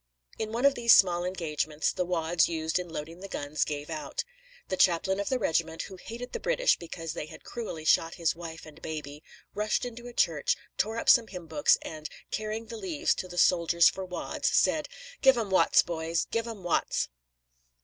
In one of these small engagements the wads used in loading the guns gave out. The chaplain of the regiment, who hated the British because they had cruelly shot his wife and baby, rushed into a church, tore up some hymn books, and, carrying the leaves to the soldiers for wads, said: "Give 'em Watts, boys! Give 'em Watts!"